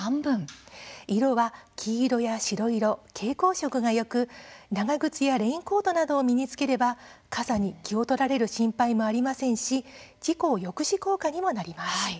色は黄色や白色、蛍光色がよく長靴やレインコートなどを身につければ傘に気を取られる心配もありませんし事故抑止効果にもなります。